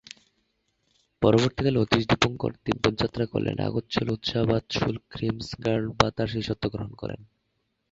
পরবর্তীকালে অতীশ দীপঙ্কর তিব্বত যাত্রা করলে নাগ-ত্শো-লো-ত্সা-বা-ত্শুল-খ্রিম্স-র্গ্যাল-বা তার শিষ্যত্ব গ্রহণ করেন।